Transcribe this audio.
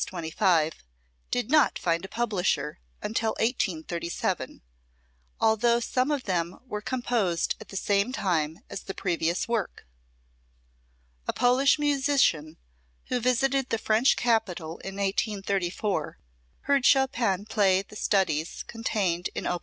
25, did not find a publisher until 1837, although some of them were composed at the same time as the previous work; a Polish musician who visited the French capital in 1834 heard Chopin play the studies contained in op.